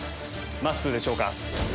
まっすーでしょうか？